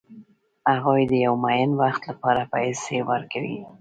هغه د یو معین وخت لپاره پیسې ورکوي